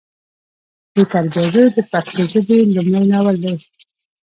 بې تربیه زوی د پښتو ژبې لمړی ناول دی